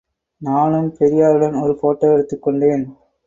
நானும் பெரியாருடன் ஒரு போட்டோ எடுத்துக் கொண்டேன்.